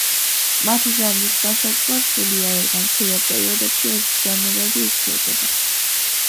მათი ჟანრის განსაზღვრა რთულია, რადგან მცირე პერიოდებში ეს ჟანრები იცვლებოდა.